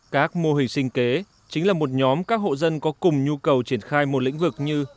các mô hình sinh kế chính là một nhóm các hộ dân có cùng nhu cầu triển khai một lĩnh vực như